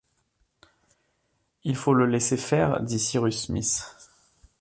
Il faut le laisser faire dit Cyrus Smith